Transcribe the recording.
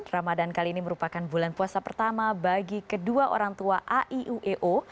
ramadan kali ini merupakan bulan puasa pertama bagi kedua orang tua aiueo